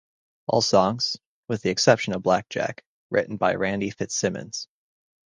All songs, with the exception of Black Jack, written by Randy Fitzsimmons.